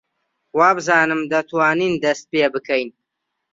وابزانم دەتوانین دەست پێ بکەین.